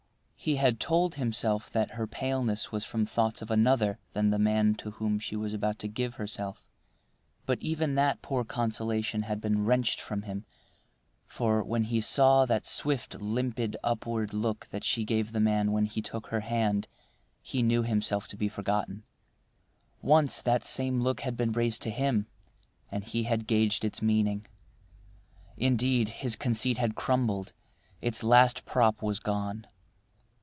He had told himself that her paleness was from thoughts of another than the man to whom she was about to give herself. But even that poor consolation had been wrenched from him. For, when he saw that swift, limpid, upward look that she gave the man when he took her hand, he knew himself to be forgotten. Once that same look had been raised to him, and he had gauged its meaning. Indeed, his conceit had crumbled; its last prop was gone.